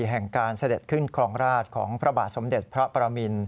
แห่งการเสด็จขึ้นครองราชของพระบาทสมเด็จพระประมิน